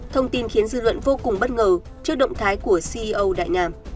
thông tin khiến dư luận vô cùng bất ngờ trước động thái của ceo đại nam